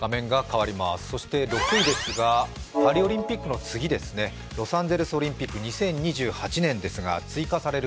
そして６位ですが、パリオリンピックの次ですね、ロサンゼルスオリンピック２０２８年ですが追加される